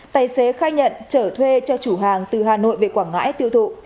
tài xế khai nhận trở thuê cho chủ hàng từ hà nội về quảng ngãi tiêu thụ